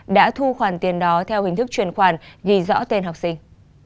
đã thu khoản tiền đó theo hình thức chuyển khoản ghi rõ tên học sinh